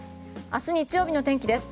明日日曜日の天気です。